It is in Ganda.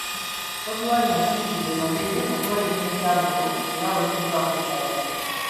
Bobi Wine asimbudde e Magere okwolekera e Kyambogo era ng'awerekeddwako mukyala we,